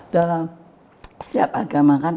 dalam setiap agama kan